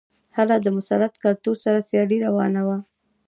هلته له مسلط کلتور سره سیالي روانه وه.